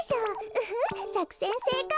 ウフッさくせんせいこう。